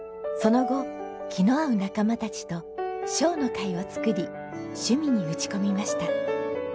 その後気の合う仲間たちと「笑の会」をつくり趣味に打ち込みました。